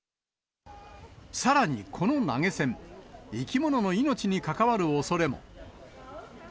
さらにこの投げ銭、生き物の命に関わるおそれも。